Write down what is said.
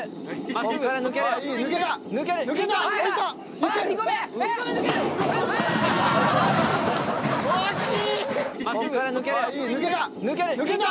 抜けた抜けた！